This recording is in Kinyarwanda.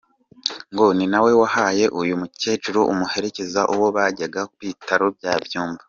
Ngo ninawe wahaye uyu mukecuru umuherekeza ubwo yajyaga ku bitaro bya Byumba.